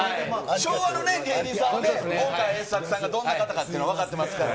昭和の芸人さんはね、今回、栄策さんがどんな方かっていうのは分かってますからね。